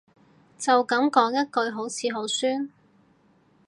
就噉講一句好似好酸